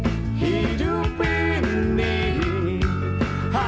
hidup ini hanya kepingan yang terasing di lautan